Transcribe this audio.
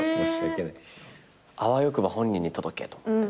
あわよくば本人に届けと思って。